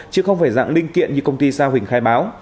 chứ không phải dạng linh kiện như công ty sao hình khai báo